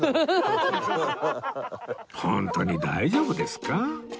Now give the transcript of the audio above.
ホントに大丈夫ですか？